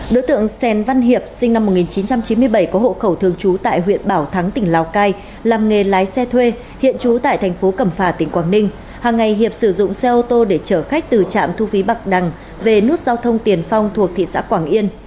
đối tượng xen văn hiệp sinh năm một nghìn chín trăm chín mươi bảy có hộ khẩu thường trú tại huyện bảo thắng tỉnh lào cai làm nghề lái xe thuê hiện trú tại thành phố cẩm phà tỉnh quảng ninh hàng ngày hiệp sử dụng xe ô tô để chở khách từ trạm thu phí bạch đằng về nút giao thông tiền phong thuộc thị xã quảng yên